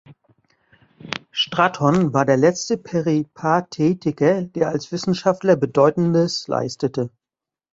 Straton war der letzte Peripatetiker, der als Wissenschaftler Bedeutendes leistete.